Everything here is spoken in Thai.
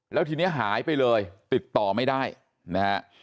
แล้วทีนี้หายไปเลยติดต่อไม่ได้นะฮะ